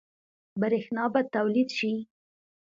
برښنا به تولید شي؟